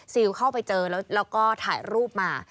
เข้าไปเจอแล้วก็ถ่ายรูปมา